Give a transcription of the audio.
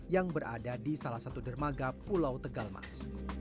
yang berada di salah satu dermaga pulau tegalmas